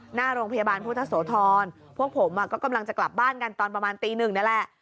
หน้าโรงพยาบาลพุทธโสธรพวกผมก็กำลังจะกลับบ้านกันตอนประมาณตีหนึ่งนี่แหละ